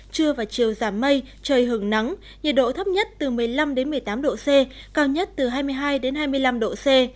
trưa và chiều giảm mây trời hừng nắng nhiệt độ thấp nhất từ một mươi năm một mươi tám độ c cao nhất từ hai mươi hai hai mươi năm độ c